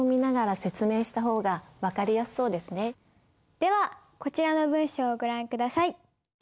ではこちらの文章をご覧下さい。